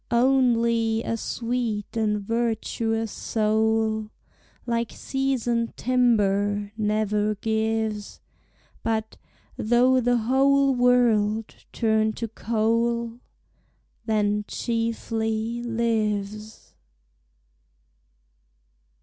Onely a sweet and vertuous soul, Like seasoned timber, never gives; But, though the whole world, turn to coal, Then chiefly lives.